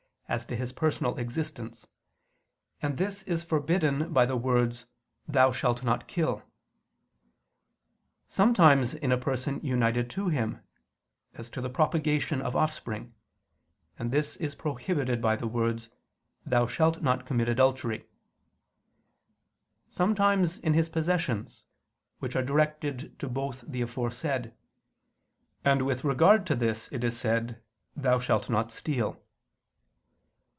as to his personal existence; and this is forbidden by the words, "Thou shalt not kill": sometimes in a person united to him, as to the propagation of offspring; and this is prohibited by the words, "Thou shalt not commit adultery": sometimes in his possessions, which are directed to both the aforesaid; and with this regard to this it is said, "Thou shalt not steal."